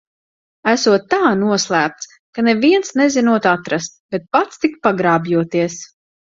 Esot tā noslēpts, ka neviens nezinot atrast, bet pats tik pagrābjoties.